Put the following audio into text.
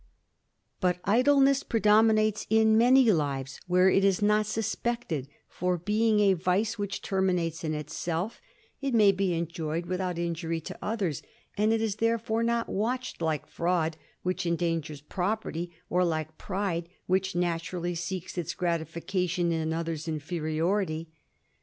But idleness predominates in many lives where it is not suspected; for, being a vice which terminates in itself, it ; Oiay be enjoyed without injury to others ; and it is there ' fore not watched like fraud, which endangers property ; or ^ Kke pride, which naturally seeks its gratifications in J Another's inferiority.